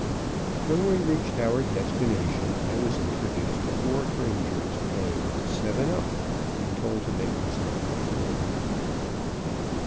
When we reached our destination I was introduced to four grangers playing "seven up," and told to make myself comfortable.